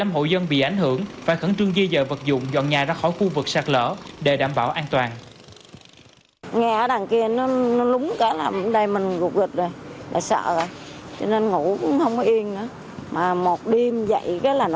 một mươi năm hộ dân bị ảnh hưởng phải khẩn trương di dợ vật dụng dọn nhà ra khỏi khu vực sạt lỡ để đảm bảo an toàn